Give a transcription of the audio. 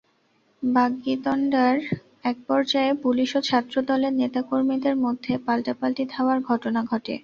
বাগ্বিতণ্ডার একপর্যায়ে পুলিশ ও ছাত্রদলের নেতা কর্মীদের মধ্যে পাল্টাপাল্টি ধাওয়ার ঘটনা ঘটে।